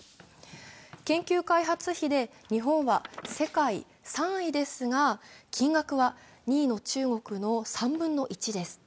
研究開発費で日本は世界３位ですが、金額は２位の中国の３分の１です。